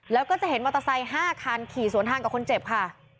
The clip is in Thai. แล้วก็จะเห็นมอเตอร์ไซค์๕คันขี่สวนทางกับคนเจ็บค่ะ